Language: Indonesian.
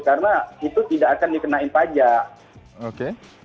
karena itu tidak akan dikenain pajak